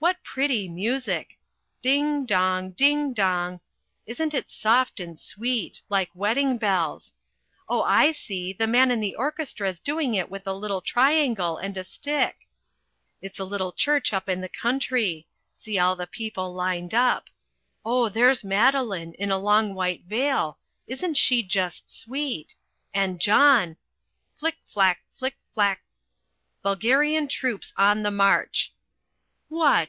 What pretty music! Ding! Dong! Ding! Dong! Isn't it soft and sweet! like wedding bells. Oh, I see, the man in the orchestra's doing it with a little triangle and a stick it's a little church up in the country see all the people lined up oh! there's Madeline! in a long white veil isn't she just sweet! and John Flick, flack, flick, flack. "BULGARIAN TROOPS ON THE MARCH." What!